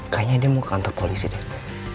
kayaknya dia mau ke kantor polisi deh